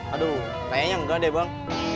aduh kayaknya enggak deh bang